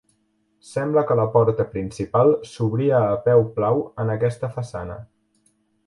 Sembla que la porta principal s'obria a peu plau en aquesta façana.